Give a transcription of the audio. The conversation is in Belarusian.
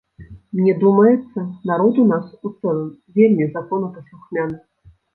Мне думаецца, народ у нас у цэлым вельмі законапаслухмяны.